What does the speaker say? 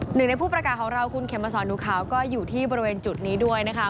หนึ่งในผู้ประกาศของเราคุณเขมสอนหนูขาวก็อยู่ที่บริเวณจุดนี้ด้วยนะคะ